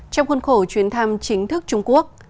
trong khuôn khổ chuyến thăm chính thức trung quốc